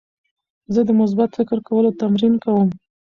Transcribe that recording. زه د مثبت فکر کولو تمرین کوم.